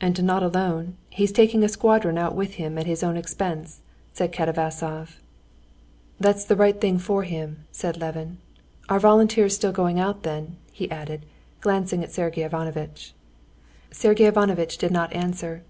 "And not alone; he's taking a squadron out with him at his own expense," said Katavasov. "That's the right thing for him," said Levin. "Are volunteers still going out then?" he added, glancing at Sergey Ivanovitch. Sergey Ivanovitch did not answer.